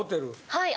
はい。